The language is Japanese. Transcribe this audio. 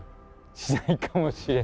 しないかもしれない。